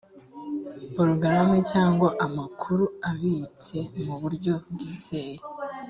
porogaramu cyangwa amakuru abitse mu buryo bwizeye